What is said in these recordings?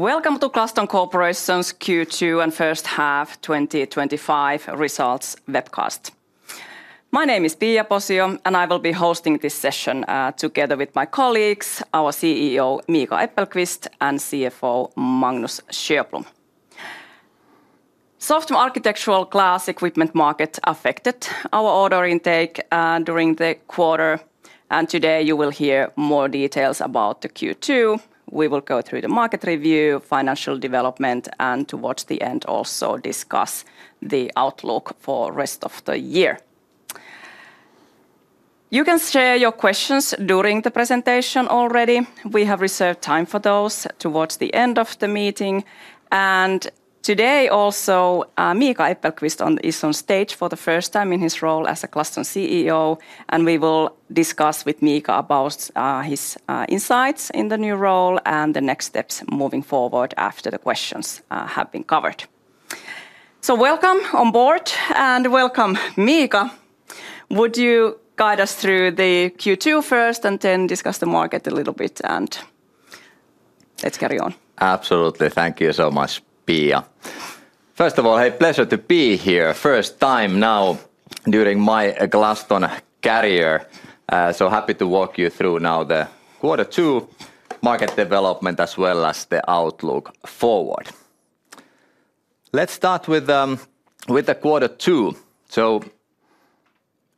Welcome to Glaston Corporation's Q2 and first half 2025 results webcast. My name is Pia Posio, and I will be hosting this session together with my colleagues, our CEO Miika Äppelqvist and CFO Magnus Sjöblom. Software architectural glass equipment market affected our order intake during the quarter, and today you will hear more details about the Q2. We will go through the market review, financial development, and towards the end also discuss the outlook for the rest of the year. You can share your questions during the presentation already. We have reserved time for those towards the end of the meeting. Today also Miika Äppelqvist is on stage for the first time in his role as a Glaston CEO, and we will discuss with Miika about his insights in the new role and the next steps moving forward after the questions have been covered. Welcome on board and welcome Miika. Would you guide us through the Q2 first and then discuss the market a little bit? Let's carry on. Absolutely, thank you so much, Pia. First of all, hey, pleasure to be here. First time now during my Glaston career. So happy to walk you through now the quarter two market development as well as the outlook forward. Let's start with the quarter two.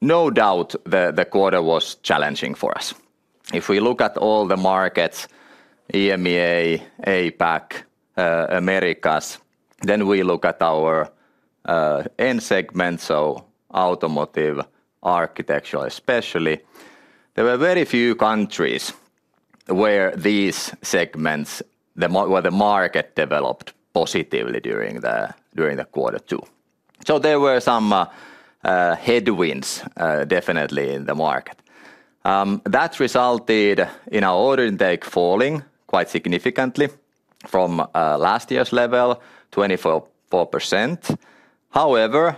No doubt the quarter was challenging for us. If we look at all the markets, EMEA, APAC, Americas, then we look at our end segments, so automotive, architectural especially, there were very few countries where these segments, where the market developed positively during the quarter two. There were some headwinds definitely in the market. That resulted in our order intake falling quite significantly from last year's level, 24%. However,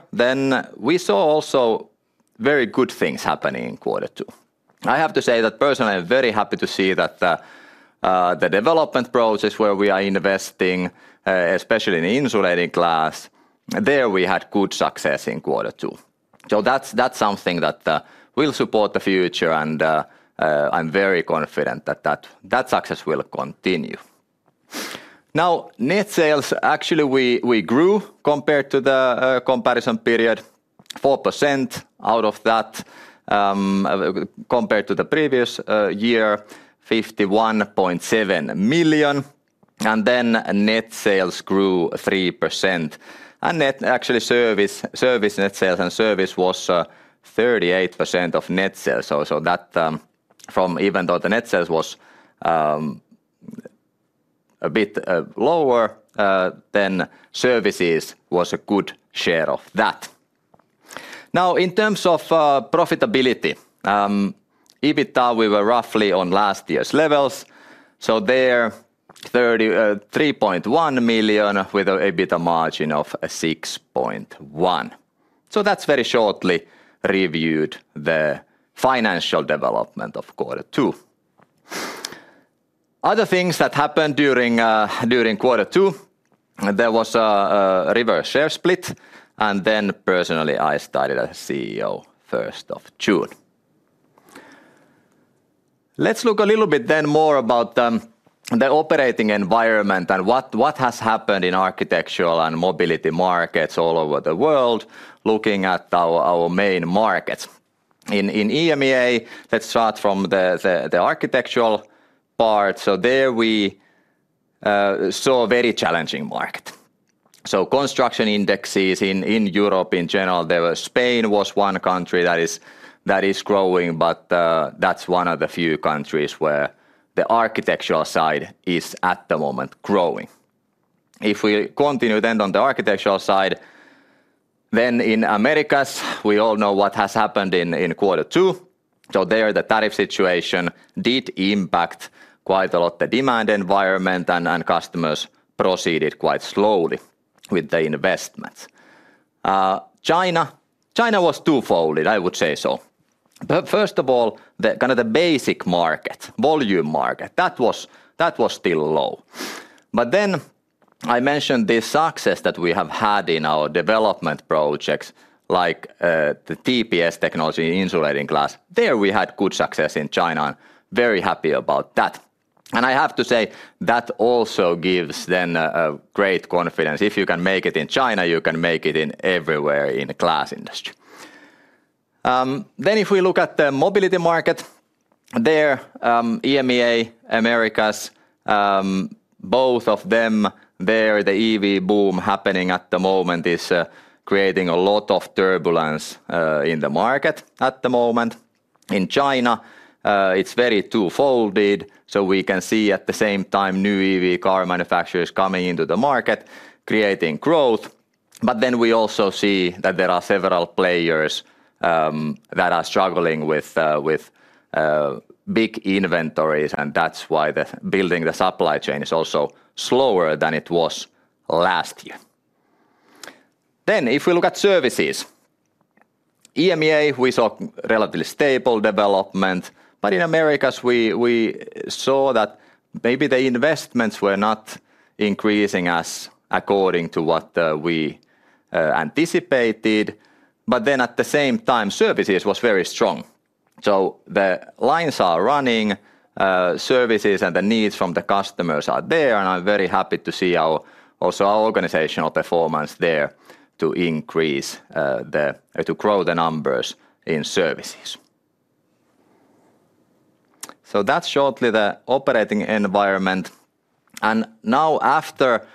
we saw also very good things happening in quarter two. I have to say that personally, I'm very happy to see that the development process where we are investing, especially in insulating glass, there we had good success in quarter two. That's something that will support the future, and I'm very confident that that success will continue. Now, net sales, actually, we grew compared to the comparison period, 4% out of that compared to the previous year, 51.7 million. Then net sales grew 3%. Net actually service, service net sales and service was 38% of net sales. Even though the net sales was a bit lower, then services was a good share of that. In terms of profitability, EBITDA, we were roughly on last year's levels. There 3.1 million with an EBITDA margin of 6.1%. That's very shortly reviewed the financial development of quarter two. Other things that happened during quarter two, there was a reverse share split, and then personally, I started as CEO first of June. Let's look a little bit then more about the operating environment and what has happened in architectural and mobility markets all over the world, looking at our main markets. In EMEA, let's start from the architectural part. There we saw a very challenging market. Construction indexes in Europe in general, Spain was one country that is growing, but that's one of the few countries where the architectural side is at the moment growing. If we continue then on the architectural side, in Americas, we all know what has happened in quarter two. The tariff situation did impact quite a lot the demand environment, and customers proceeded quite slowly with the investments. China, China was two-folded, I would say so. First of all, the kind of the basic market, volume market, that was still low. I mentioned this success that we have had in our development projects, like the TPS technology in insulating glass. There we had good success in China, and very happy about that. I have to say that also gives then great confidence. If you can make it in China, you can make it in everywhere in the glass industry. If we look at the mobility market, there, EMEA, Americas, both of them, the EV boom happening at the moment is creating a lot of turbulence in the market at the moment. In China, it's very two-folded. We can see at the same time new EV car manufacturers coming into the market, creating growth. We also see that there are several players that are struggling with big inventories, and that's why the building the supply chain is also slower than it was last year. If we look at services, EMEA, we saw relatively stable development. In Americas, we saw that maybe the investments were not increasing as according to what we anticipated. At the same time, services was very strong. The lines are running, services and the needs from the customers are there, and I'm very happy to see also our organizational performance there to increase, to grow the numbers in services. That's shortly the operating environment. Now after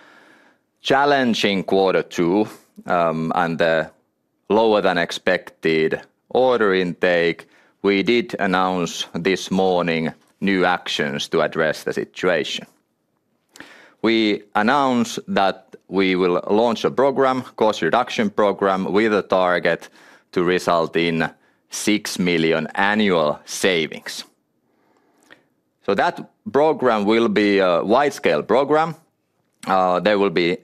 challenging quarter two and the lower than expected order intake, we did announce this morning new actions to address the situation. We announced that we will launch a program, cost reduction program, with a target to result in 6 million annual savings. That program will be a wide-scale program. There will be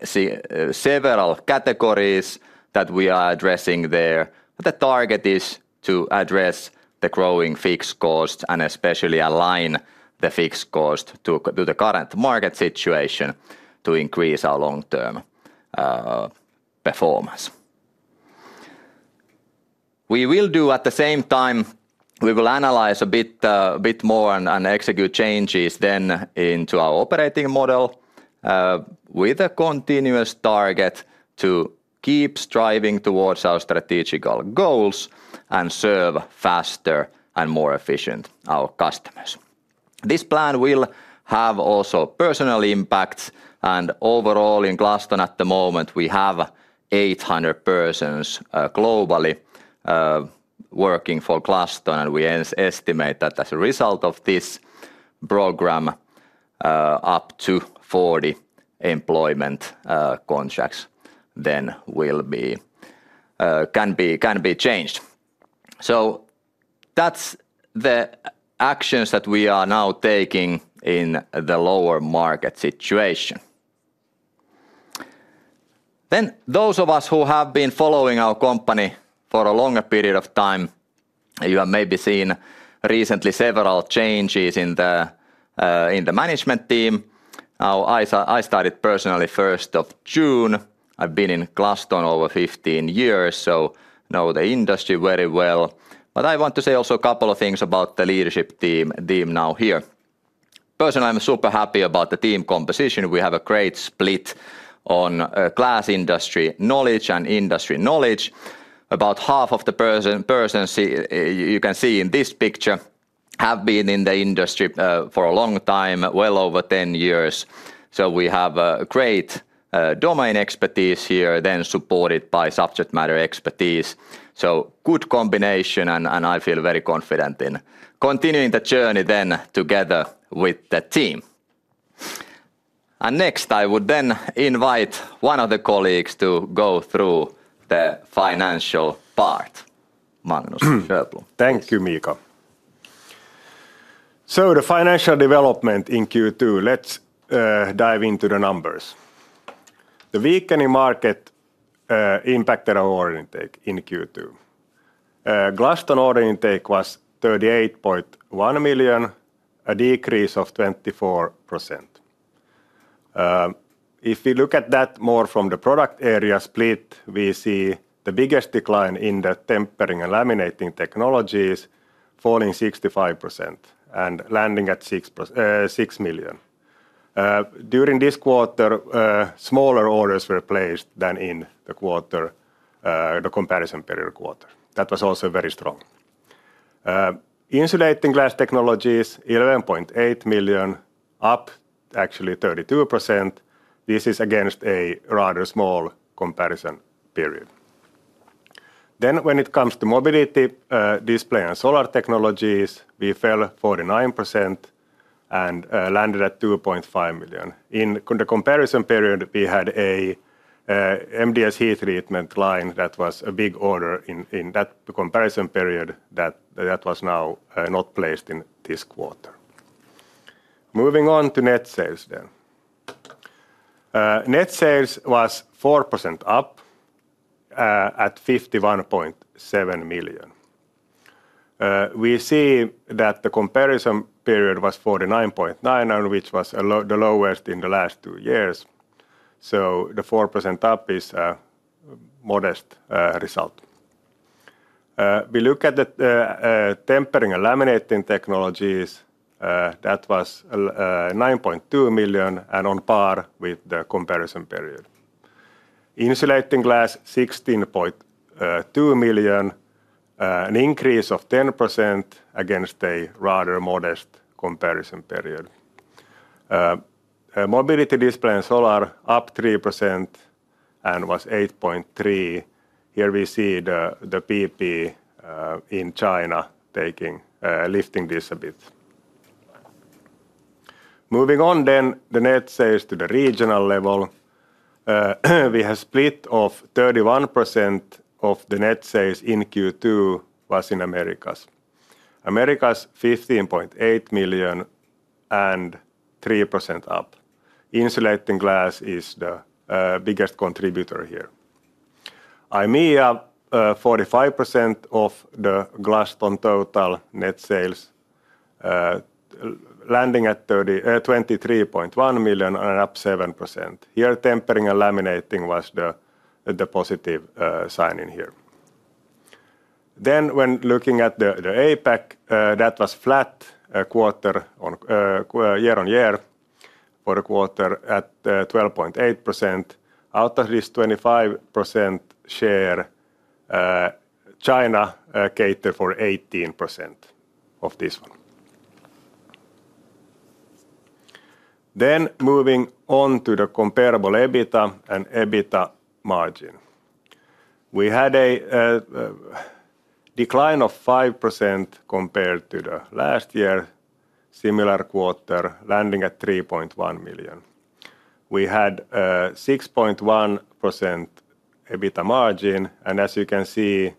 several categories that we are addressing there. The target is to address the growing fixed costs and especially align the fixed cost to the current market situation to increase our long-term performance. We will do at the same time, we will analyze a bit more and execute changes then into our operating model with a continuous target to keep striving towards our strategical goals and serve faster and more efficient our customers. This plan will have also personal impacts. Overall in Glaston at the moment, we have 800 persons globally working for Glaston, and we estimate that as a result of this program, up to 40 employment contracts then can be changed. That's the actions that we are now taking in the lower market situation. Those of us who have been following our company for a longer period of time have maybe seen recently several changes in the management team. I started personally first of June. I've been in Glaston over 15 years, so know the industry very well. I want to say also a couple of things about the leadership team now here. Personally, I'm super happy about the team composition. We have a great split on glass industry knowledge and industry knowledge. About half of the persons you can see in this picture have been in the industry for a long time, well over 10 years. We have a great domain expertise here then supported by subject matter expertise. Good combination, and I feel very confident in continuing the journey together with the team. Next, I would invite one of the colleagues to go through the financial part. Magnus Sjöblom. Thank you, Miika. The financial development in Q2, let's dive into the numbers. The weakening market impacted our order intake in Q2. Glaston order intake was 38.1 million, a decrease of 24%. If we look at that more from the product area split, we see the biggest decline in the tempering and laminating technologies falling 65% and landing at 6 million. During this quarter, smaller orders were placed than in the comparison period quarter. That was also very strong. Insulating glass technologies, 11.8 million, up actually 32%. This is against a rather small comparison period. When it comes to mobility, display and solar technologies, we fell 49% and landed at 2.5 million. In the comparison period, we had an MDS heat treatment line that was a big order in that comparison period that was now not placed in this quarter. Moving on to net sales. Net sales was 4% up at 51.7 million. We see that the comparison period was 49.9 million, which was the lowest in the last two years. The 4% up is a modest result. We look at the tempering and laminating technologies. That was 9.2 million and on par with the comparison period. Insulating glass, 16.2 million, an increase of 10% against a rather modest comparison period. Mobility, display and solar, up 3% and was 8.3 million. Here we see the PP in China lifting this a bit. Moving on, the net sales to the regional level. We have a split of 31% of the net sales in Q2 was in Americas. Americas, 15.8 million and 3% up. Insulating glass is the biggest contributor here. EMEA, 45% of the Glaston total net sales, landing at 23.1 million and up 7%. Here, tempering and laminating was the positive sign in here. When looking at the APAC, that was flat year on year for a quarter at 12.8%. Out of this 25% share, China catered for 18% of this one. Moving on to the comparable EBITDA and EBITDA margin, we had a decline of 5% compared to last year, similar quarter, landing at 3.1 million. We had 6.1% EBITDA margin, and as you can see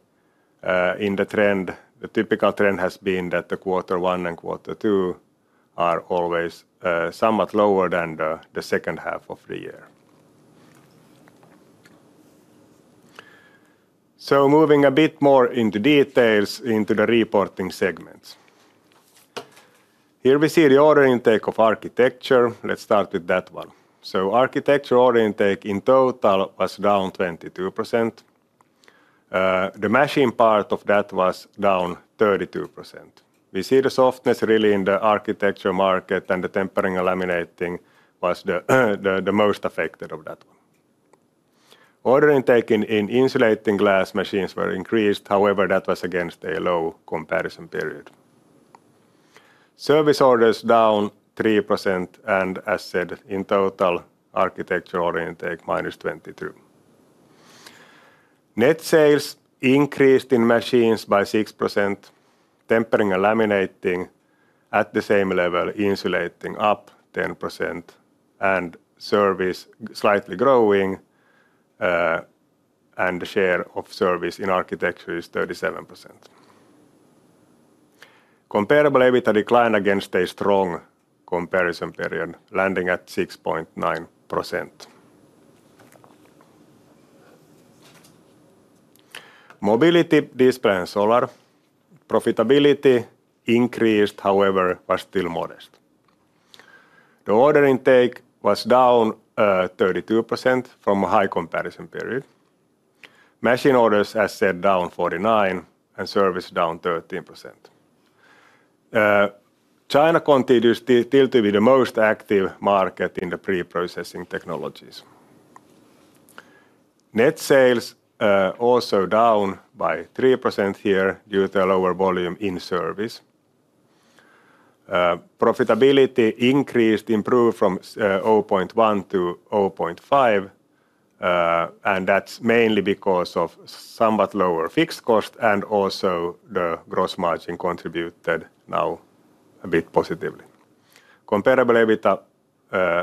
in the trend, the typical trend has been that quarter one and quarter two are always somewhat lower than the second half of the year. Moving a bit more into details, into the reporting segments, we see the order intake of architecture. Let's start with that one. Architecture order intake in total was down 22%. The machine part of that was down 32%. We see the softness really in the architecture market, and the tempering and laminating was the most affected of that one. Order intake in insulating glass machines were increased; however, that was against a low comparison period. Service orders down 3%, and as said, in total, architecture order intake -22%. Net sales increased in machines by 6%. Tempering and laminating at the same level, insulating up 10%, and service slightly growing, and the share of service in architecture is 37%. Comparable EBITDA decline against a strong comparison period, landing at 6.9%. Mobility display and solar, profitability increased; however, was still modest. The order intake was down 32% from a high comparison period. Machine orders, as said, down 49%, and service down 13%. China continues still to be the most active market in the pre-processing technologies. Net sales also down by 3% here due to a lower volume in service. Profitability increased, improved from 0.1% to 0.5%, and that's mainly because of somewhat lower fixed cost and also the gross margin contributed now a bit positively. Comparable EBITDA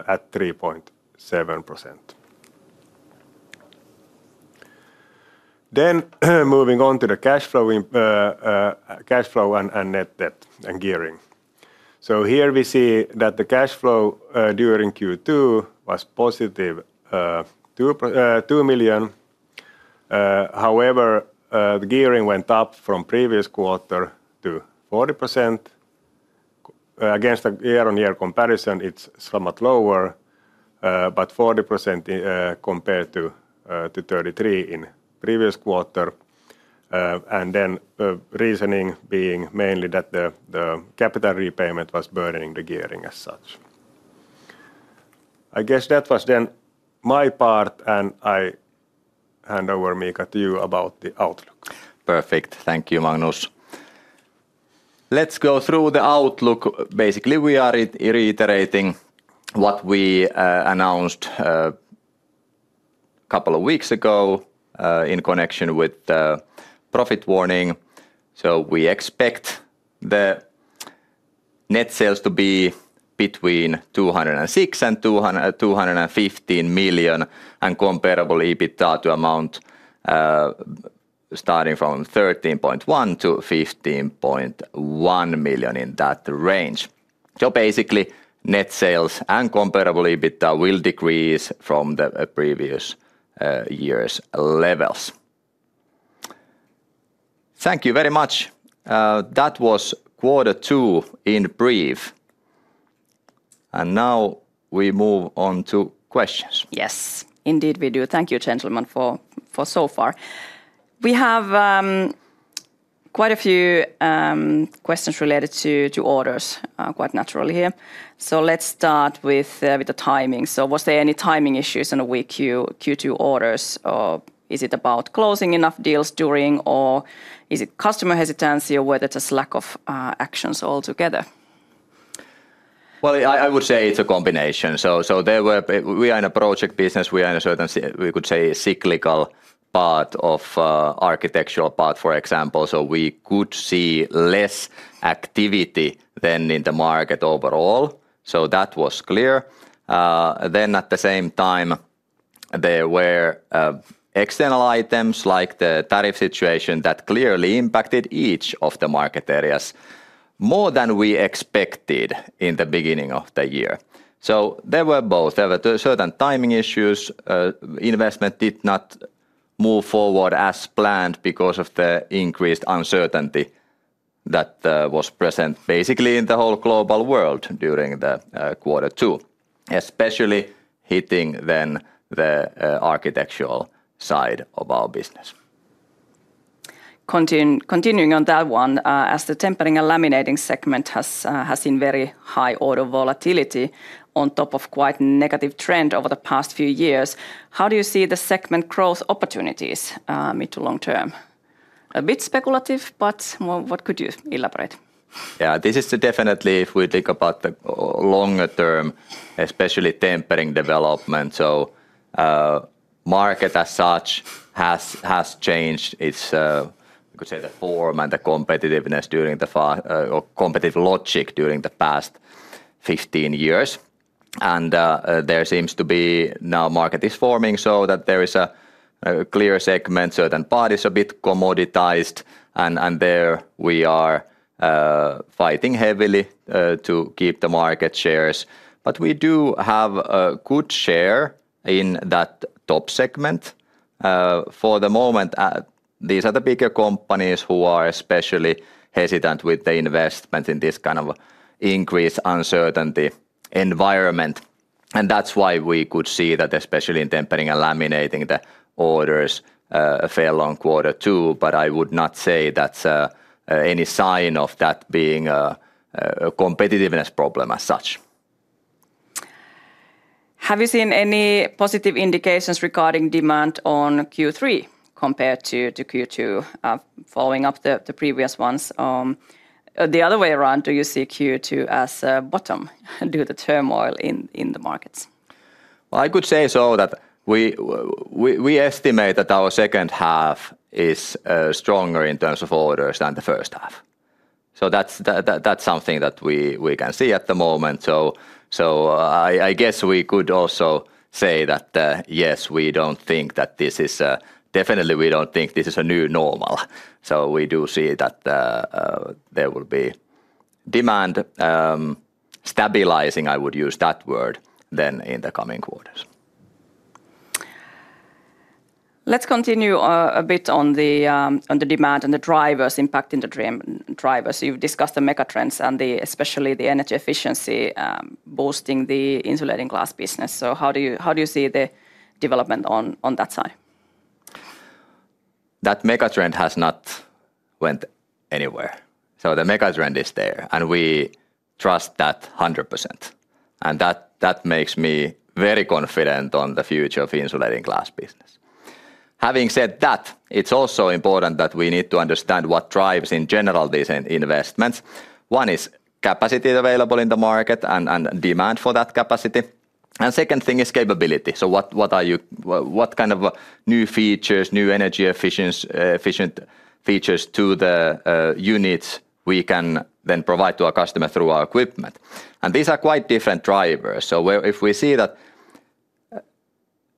at 3.7%. Moving on to the cash flow and net debt and gearing, we see that the cash flow during Q2 was positive 2 million. However, the gearing went up from previous quarter to 40%. Against the year-on-year comparison, it's somewhat lower, but 40% compared to 33% in previous quarter. The reasoning being mainly that the capital repayment was burdening the gearing as such. I guess that was then my part, and I hand over, Miika, to you about the outlook. Perfect, thank you, Magnus. Let's go through the outlook. Basically, we are reiterating what we announced a couple of weeks ago in connection with the profit warning. We expect the net sales to be between 206 million-215 million, and comparable EBITDA to amount starting from 13.1 million-15.1 million in that range. Net sales and comparable EBITDA will decrease from the previous year's levels. Thank you very much. That was quarter two in brief. Now we move on to questions. Yes, indeed we do. Thank you, gentlemen, for so far. We have quite a few questions related to orders quite naturally here. Let's start with the timing. Was there any timing issues in the weak Q2 orders? Is it about closing enough deals during, or is it customer hesitancy or whether it's a lack of actions altogether? I would say it's a combination. We are in a project business. We are in a certain, we could say, cyclical part of the architectural part, for example. We could see less activity than in the market overall. That was clear. At the same time, there were external items like the tariff situation that clearly impacted each of the market areas more than we expected in the beginning of the year. There were both. There were certain timing issues. Investment did not move forward as planned because of the increased uncertainty that was present basically in the whole global world during quarter two, especially hitting the architectural side of our business. Continuing on that one, as the tempering and laminating segment has seen very high order volatility on top of quite a negative trend over the past few years, how do you see the segment growth opportunities mid to long term? A bit speculative, but what could you elaborate? Yeah, this is definitely, if we think about the longer term, especially tempering development. The market as such has changed its, I could say, the form and the competitiveness during the past, or competitive logic during the past 15 years. There seems to be now, the market is forming so that there is a clear segment. Certain bodies are a bit commoditized, and there we are fighting heavily to keep the market shares. We do have a good share in that top segment. For the moment, these are the bigger companies who are especially hesitant with the investment in this kind of increased uncertainty environment. That’s why we could see that especially in tempering and laminating, the orders fell in quarter two. I would not say that's any sign of that being a competitiveness problem as such. Have you seen any positive indications regarding demand on Q3 compared to Q2 following up the previous ones? The other way around, do you see Q2 as a bottom due to turmoil in the markets? I could say that we estimate that our second half is stronger in terms of orders than the first half. That's something that we can see at the moment. I guess we could also say that yes, we don't think that this is definitely, we don't think this is a new normal. We do see that there will be demand stabilizing, I would use that word, in the coming quarters. Let's continue a bit on the demand and the drivers impacting the main drivers. You've discussed the megatrends and especially the energy efficiency boosting the insulating glass business. How do you see the development on that side? That megatrend has not gone anywhere. The megatrend is there, and we trust that 100%. That makes me very confident on the future of the insulating glass business. Having said that, it's also important that we need to understand what drives in general these investments. One is capacity available in the market and demand for that capacity. The second thing is capability. What kind of new features, new energy efficient features to the units we can then provide to our customer through our equipment? These are quite different drivers. If we see that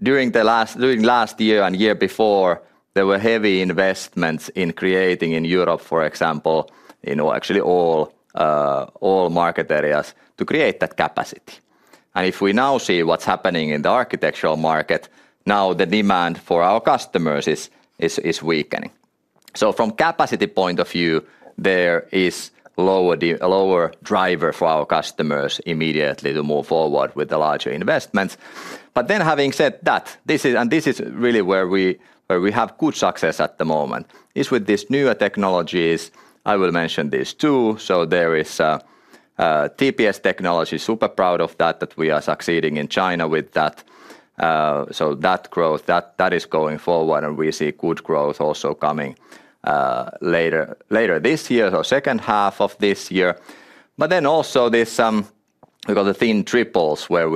during the last year and year before, there were heavy investments in creating in Europe, for example, in actually all market areas to create that capacity. If we now see what's happening in the architectural market, now the demand for our customers is weakening. From a capacity point of view, there is a lower driver for our customers immediately to move forward with the larger investments. Having said that, and this is really where we have good success at the moment, is with these newer technologies. I will mention this too. There is TPS technology, super proud of that, that we are succeeding in China with that. That growth, that is going forward, and we see good growth also coming later this year, so second half of this year. Also this, because the thin triples where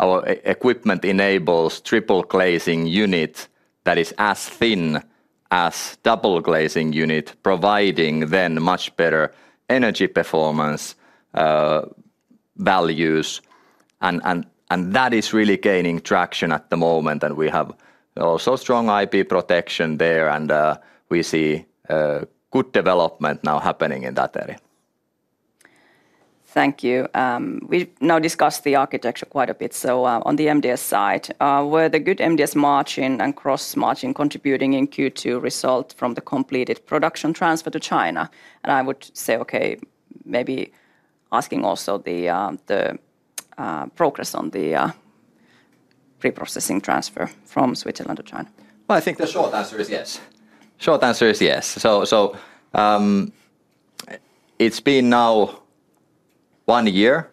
our equipment enables triple glazing unit that is as thin as double glazing unit, providing then much better energy performance values. That is really gaining traction at the moment. We have also strong IP protection there, and we see good development now happening in that area. Thank you. We now discussed the architecture quite a bit. On the MDS side, were the good MDS margin and gross margin contributing in Q2 result from the completed production transfer to China? I would say, okay, maybe asking also the progress on the pre-processing transfer from Switzerland to China. I think the short answer is yes. Short answer is yes. It's been now one year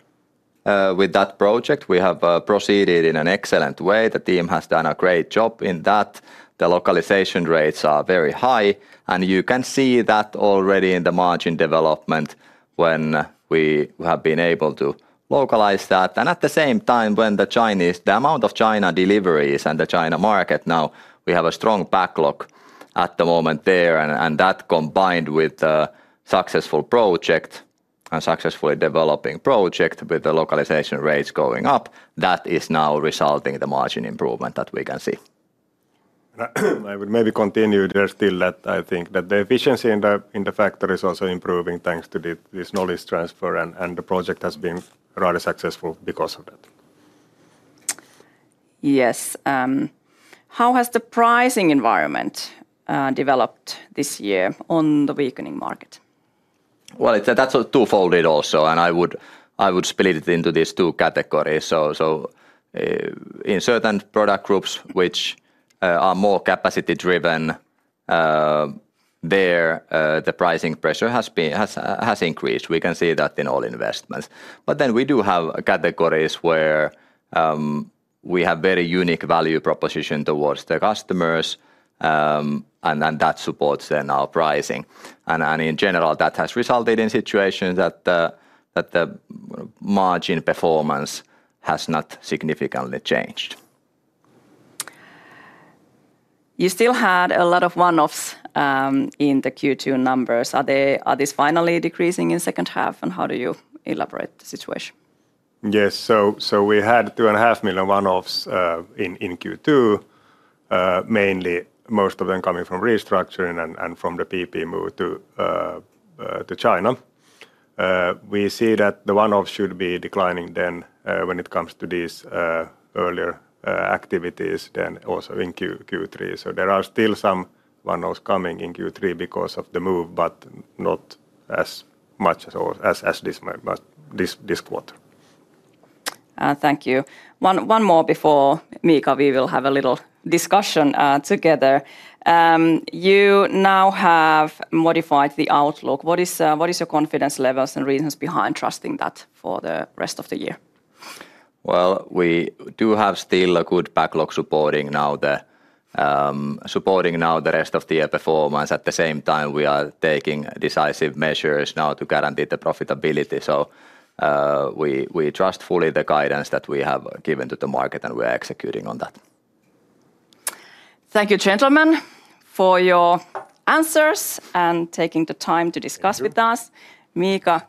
with that project. We have proceeded in an excellent way. The team has done a great job in that. The localization rates are very high, and you can see that already in the margin development when we have been able to localize that. At the same time, when the Chinese, the amount of China deliveries and the China market now, we have a strong backlog at the moment there. That combined with the successful project and successfully developing project with the localization rates going up, that is now resulting in the margin improvement that we can see. I would maybe continue there still, that I think that the efficiency in the factory is also improving thanks to this knowledge transfer, and the project has been rather successful because of that. Yes. How has the pricing environment developed this year on the weakening market? That's two-folded also, and I would split it into these two categories. In certain product groups which are more capacity-driven, the pricing pressure has increased. We can see that in all investments. We do have categories where we have very unique value proposition towards the customers, and that supports then our pricing. In general, that has resulted in situations that the margin performance has not significantly changed. You still had a lot of one-offs in the Q2 numbers. Are these finally decreasing in the second half, and how do you elaborate the situation? Yes, we had 2.5 million one-offs in Q2, mainly most of them coming from restructuring and from the pre-processing move to China. We see that the one-offs should be declining when it comes to these earlier activities in Q3. There are still some one-offs coming in Q3 because of the move, but not as much as this quarter. Thank you. One more before Miika, we will have a little discussion together. You now have modified the outlook. What is your confidence level and reasons behind trusting that for the rest of the year? We do have still a good backlog supporting now the rest of the year performance. At the same time, we are taking decisive measures now to guarantee the profitability. We trust fully the guidance that we have given to the market, and we are executing on that. Thank you, gentlemen, for your answers and taking the time to discuss with us. Miika,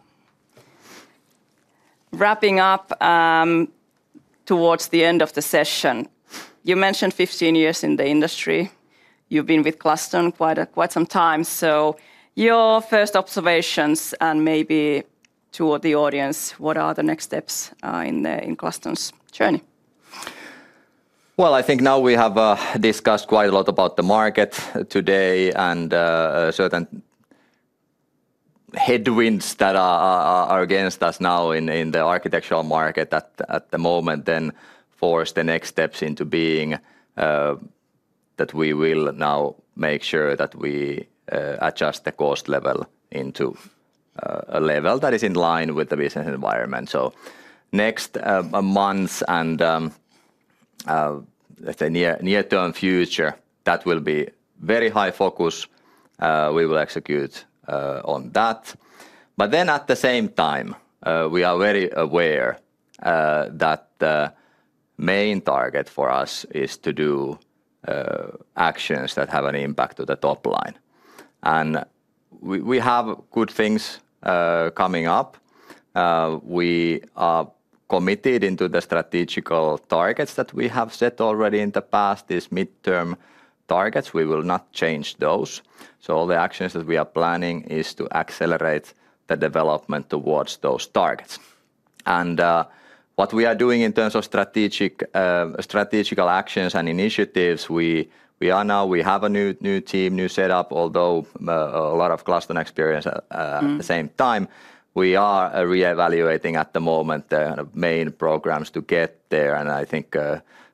wrapping up towards the end of the session, you mentioned 15 years in the industry. You've been with Glaston quite some time. Your first observations and maybe to the audience, what are the next steps in Glaston's journey? I think now we have discussed quite a lot about the market today and certain headwinds that are against us now in the architectural market at the moment. The next steps are that we will now make sure that we adjust the cost level into a level that is in line with the business environment. In the next months and the near-term future, that will be very high focus. We will execute on that. At the same time, we are very aware that the main target for us is to do actions that have an impact to the top line. We have good things coming up. We are committed into the strategical targets that we have set already in the past, these mid-term targets. We will not change those. All the actions that we are planning are to accelerate the development towards those targets. What we are doing in terms of strategical actions and initiatives, we are now, we have a new team, new setup, although a lot of Glaston experience at the same time. We are reevaluating at the moment the main programs to get there. I think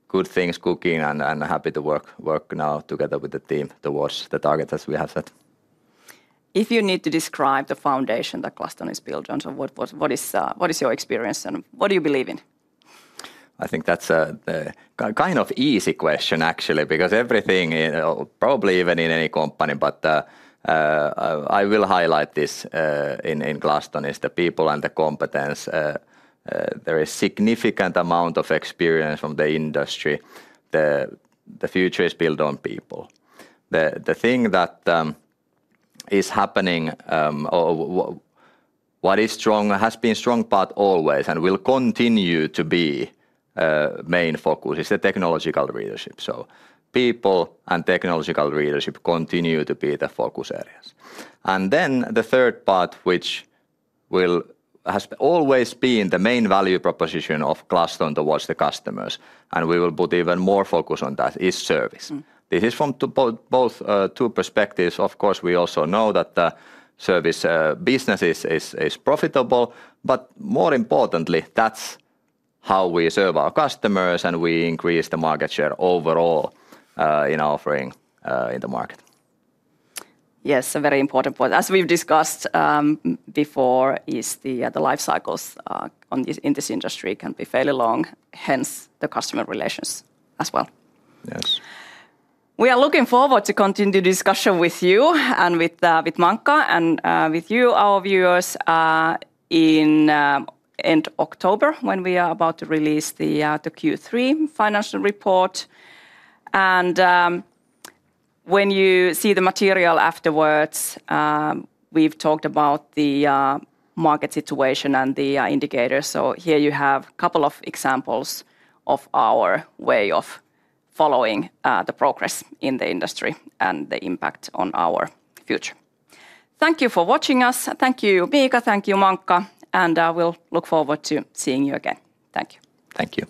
good things cooking and happy to work now together with the team towards the targets as we have said. If you need to describe the foundation that Glaston is building, what is your experience and what do you believe in? I think that's a kind of easy question actually, because everything probably even in any company, but I will highlight this in Glaston, is the people and the competence. There is a significant amount of experience from the industry. The future is built on people. The thing that is happening, what has been a strong part always and will continue to be the main focus, is the technological leadership. People and technological leadership continue to be the focus areas. The third part, which has always been the main value proposition of Glaston towards the customers, and we will put even more focus on that, is service. This is from both two perspectives. Of course, we also know that the service business is profitable, but more importantly, that's how we serve our customers and we increase the market share overall in our offering in the market. Yes, a very important point. As we've discussed before, the life cycles in this industry can be fairly long, hence the customer relations as well. Yes. We are looking forward to continuing the discussion with you and with Magnus and with you, our viewers, at the end of October when we are about to release the Q3 financial report. When you see the material afterwards, we've talked about the market situation and the indicators. Here you have a couple of examples of our way of following the progress in the industry and the impact on our future. Thank you for watching us. Thank you, Miika. Thank you, Magnus. We look forward to seeing you again. Thank you. Thank you.